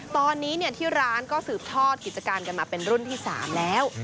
ตอนนี้ที่ร้านก็สืบทอดกิจการกันมาเป็นรุ่นที่๓แล้ว